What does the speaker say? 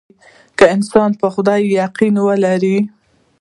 که انسان په خدای يقين ولري.